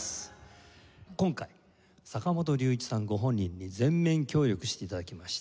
今回坂本龍一さんご本人に全面協力して頂きました。